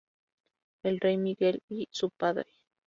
El Rey Miguel I su padre.